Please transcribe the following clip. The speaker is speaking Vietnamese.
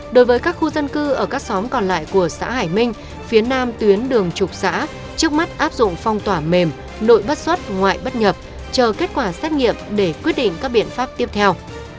đối với các khu dân cư ở các xóm còn lại của xã hải minh phía nam tuyến đường trục xã trước mắt áp dụng phong tỏa mềm nội bất xuất ngoại bất nhập chờ kết quả xét nghiệm để quyết định các biện pháp tiếp theo